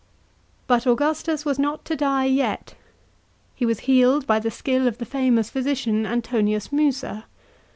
But Augustus was not to die yet. He was healed by the skill of the famous physician Antonius Musa.